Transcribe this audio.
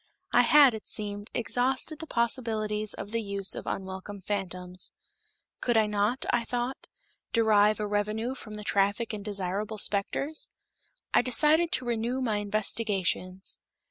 I had, it seemed, exhausted the possibilities of the use of unwelcome phantoms. Could I not, I thought, derive a revenue from the traffic in desirable specters? I decided to renew my investigations.